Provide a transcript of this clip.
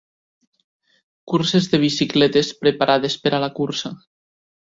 Curses de bicicletes preparades per a la cursa